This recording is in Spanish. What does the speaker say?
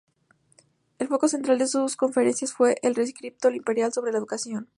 El foco central de sus conferencias fue el Rescripto Imperial sobre la Educación.